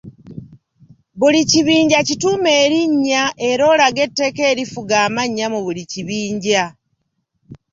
Buli kibinja kituume erinnya era olage etteeka erifuga amannya mu buli kibinja.